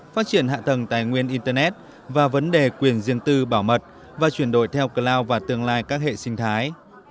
phát triển hạ tầng tài nguyên internet và vấn đề quyền riêng tư bảo mật và chuyển đổi theo cloud và tương lai các hệ sinh thái